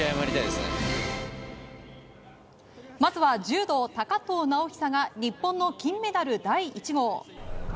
まずは柔道、高藤直寿が日本の金メダル第１号。